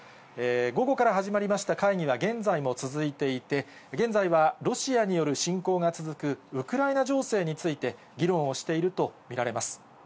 午後から始まりました会議は、現在も続いていて、現在はロシアによる侵攻が続くウクライナ情勢について、議論をしていると見られます。